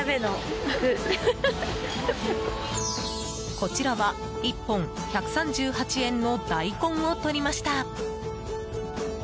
こちらは１本１３８円の大根をとりました。